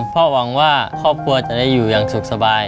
หวังว่าครอบครัวจะได้อยู่อย่างสุขสบาย